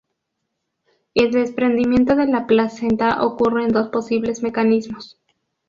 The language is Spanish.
El desprendimiento de la placenta ocurre en dos posibles mecanismos.